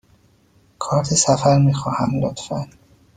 کارت سفر می خواهم، لطفاً.